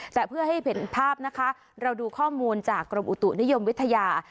แต่เพื่อให้เห็นภาพนะคะเราดูข้อมูลจากกรมอุตุนิยมวิทยา